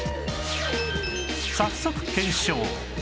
早速検証